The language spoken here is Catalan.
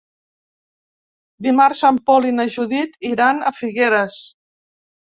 Dimarts en Pol i na Judit iran a Figueres.